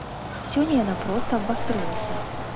Сёння яна проста абвастрылася.